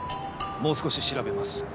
もう少し調べます。